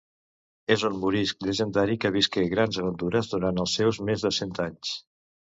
És un morisc llegendari que visqué grans aventures durant els seus més de cent anys.